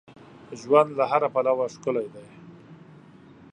ژوند له هر پلوه ښکلی دی.